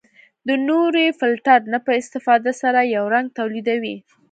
د نوري فلټر نه په استفادې سره یو رنګ تولیدوي.